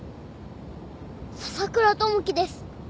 笹倉友樹です。